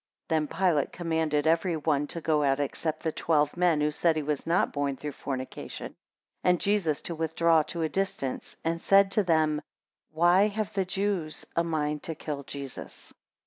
16 Then Pilate commanded every one to go out except the twelve men who said he was not born through fornication, and Jesus to withdraw to a distance, and said to them, Why have the Jews a mind to kill Jesus?